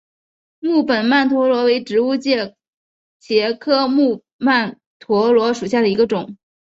木本曼陀罗为植物界茄科木曼陀罗属下的一种。